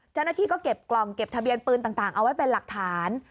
เจ้าหน้าที่ก็เก็บกล่องเก็บทะเบียนปืนต่างเอาไว้เป็นหลักฐาน